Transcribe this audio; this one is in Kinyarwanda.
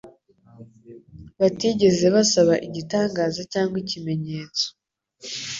batigeze basaba igitangaza cyangwa ikimenyetso.